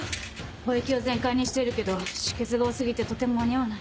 補液を全開にしているけど出血が多過ぎてとても間に合わない。